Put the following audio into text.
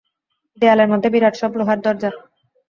দেয়ালের মধ্যে বিরাট সব লোহার দরজা।